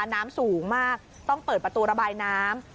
น้ำสูงมากต้องเปิดประตูระบายน้ำ